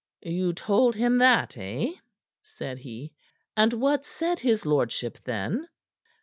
"You told him that, eh?" said he. "And what said his lordship then?"